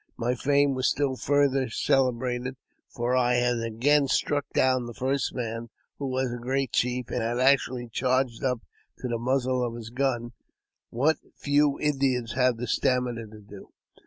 My fame was still farther celebrated, for I had again struck down the first man, who was a great chief, and had actually charged up to the muzzle of his gun, what few Indians have the stamina to do.